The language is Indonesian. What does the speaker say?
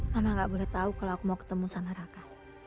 mama gak boleh tahu kalau aku mau ketemu sama raka